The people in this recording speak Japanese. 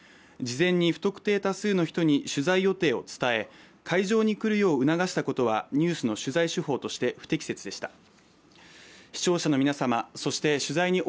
事前に不特定多数の人に取材を伝え会場に来るよう促したことはニュースの取材手法として不適切でした。